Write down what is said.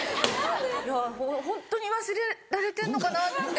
・ホントに忘れられてんのかなって。